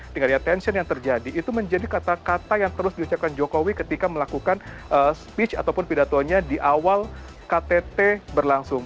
tinggal lihat tension yang terjadi itu menjadi kata kata yang terus diucapkan jokowi ketika melakukan speech ataupun pidatonya di awal ktt berlangsung